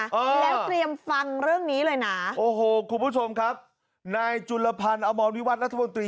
เออแล้วเตรียมฟังเรื่องนี้เลยนะโอ้โหคุณผู้ชมครับนายจุลพันธ์อมรวิวัตรรัฐมนตรี